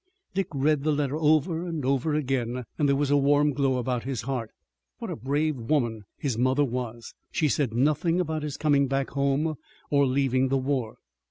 Dick read the letter over and over again and there was a warm glow about his heart. What a brave woman his mother was! She said nothing about his coming back home, or leaving the war.